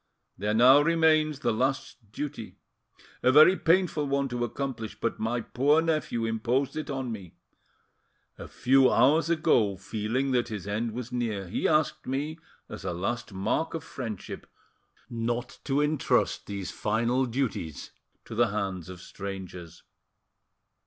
There now remains the last duty, a very painful one to accomplish, but my poor nephew imposed it on me. A few hours ago, feeling that his end was near, he asked me, as a last mark of friendship, not to entrust these final duties to the hands of strangers."